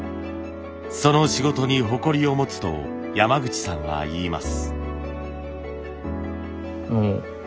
その仕事に誇りを持つと山口さんは言います。